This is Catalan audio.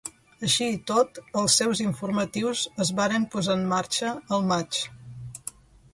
Així i tot, els seus informatius es varen posar en marxa el maig.